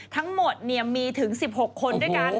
ทั้งหมดมีถึง๑๖คนด้วยกัน